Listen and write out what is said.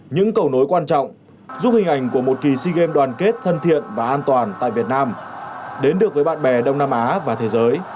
những cầu nối quan trọng giúp hình ảnh của một kỳ sea games đoàn kết thân thiện và an toàn tại việt nam đến được với bạn bè đông nam á và thế giới